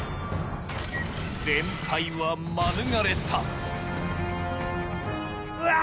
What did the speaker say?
連敗は免れたうわ！